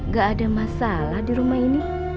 gak ada masalah di rumah ini